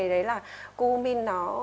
đấy là cu min nó